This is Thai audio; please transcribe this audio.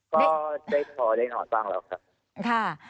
ก็ได้พอได้นอนบ้างแล้วครับ